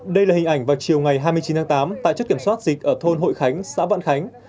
đây là hình ảnh vào chiều ngày hai mươi chín tháng tám tại chất kiểm soát dịch ở thôn hội khánh xã vạn khánh